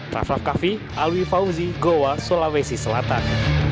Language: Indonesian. rafa kaffi alwi fauzi goa sulawesi selatan